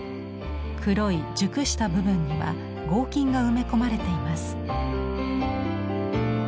黒い熟した部分には合金が埋め込まれています。